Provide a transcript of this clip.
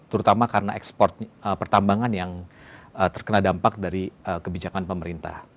terutama karena ekspor pertambangan yang terkena dampak dari kebijakan pemerintah